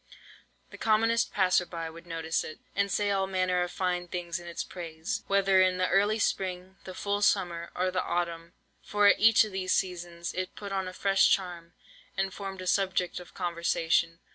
The commonest passer by would notice it, and say all manner of fine things in its praise, whether in the early spring, the full summer, or the autumn, for at each of these seasons it put on a fresh charm, and formed a subject of conversation.